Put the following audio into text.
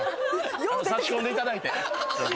差し込んでいただいて。